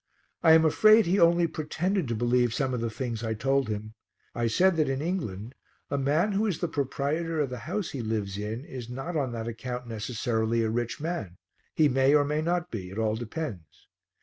I am afraid he only pretended to believe some of the things I told him. I said that in England a man who is the proprietor of the house he lives in is not on that account necessarily a rich man; he may or may not be, it all depends.